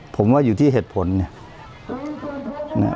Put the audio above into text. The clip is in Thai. ผมว่าอยู่ที่เหตุผลเนี่ย